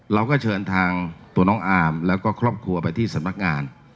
เราก็เชิญทางตัวน้องอาร์มแล้วก็ครอบครัวไปที่สำนักงาน